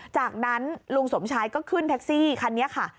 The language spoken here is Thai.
จากนั้นลุงสมชายก็ขึ้นแท็กซี่คันนี้ค่ะ